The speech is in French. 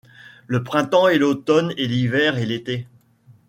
Le printemps et l’automne et l’hiver et l’été